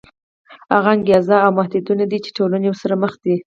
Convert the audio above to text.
هغه انګېزې او محدودیتونه دي چې ټولنې ورسره مخ دي.